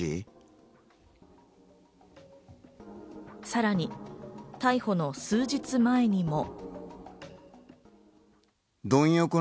さらに逮捕の数日前にも。